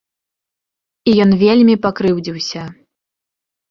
І ён вельмі пакрыўдзіўся.